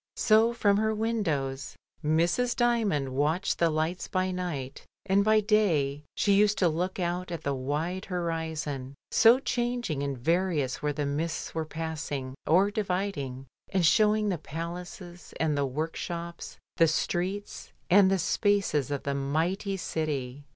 So from her windows Mrs. Dymond watched the lights by night, and by day she used to look out at the wide horizon, so changing and various where the mists were passing or dividing, and showing the palaces and the work shops, the streets, and the spaces of the mighty city.